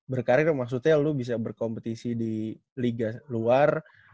berkarir maksudnya lu bisa berkompetisi di liga luar